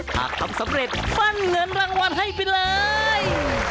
หากทำสำเร็จปั้นเงินรางวัลให้ไปเลย